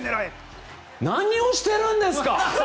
何をしてるんですか！